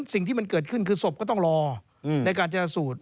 สิ่งที่มันเกิดขึ้นคือศพก็ต้องรอในการจรสูตร